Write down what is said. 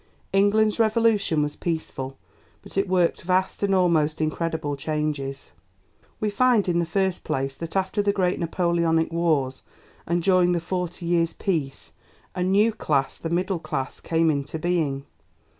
England's Revolution was peaceful, but it worked vast and almost incredible changes. We find, in the first place, that after the great Napoleonic Wars and during the 'forty years' peace' a new class, the 'Middle Class,' came into being.